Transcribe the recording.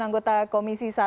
anggota komisi satu